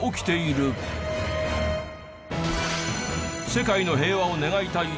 世界の平和を願いたい